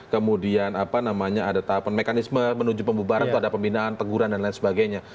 kemudian ada tahapan mekanisme menuju pembubaran atau ada pembinaan teguran dan lain sebagainya